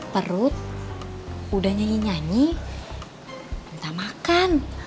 perut udah nyanyi nyanyi entah makan